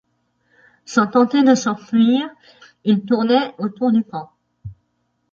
Sans tenter de s’enfuir, il tournait autour du camp.